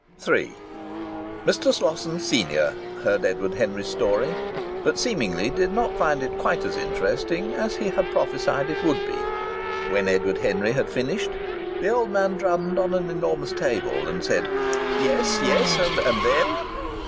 III Mr. Slosson, senior, heard Edward Henry's story, but seemingly did not find it quite as interesting as he had prophesied it would be. When Edward Henry had finished the old man drummed on an enormous table, and said: "Yes, yes. And then?"